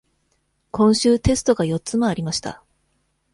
今週、テストが四つもありました。